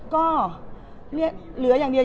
ก็เหลืออย่างเดียว